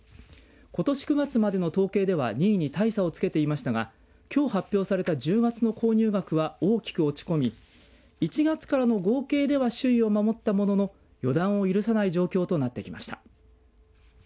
ことし９月までの統計では２位に大差をつけていましたがきょう発表された１０月の購入額は大きく落ち込み１月からの合計では首位を守ったものの予断を許さない状況となってきました。